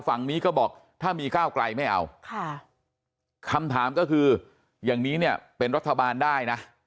ฝั่งนี้ก็บอกถ้ามีก้าวไกลไม่เอาคำถามก็คืออย่างนี้เนี่ยเป็นรัฐบาลได้นะ